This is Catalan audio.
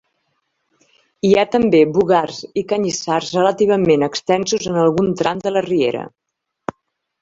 Hi ha també bogars i canyissars relativament extensos en algun tram de la riera.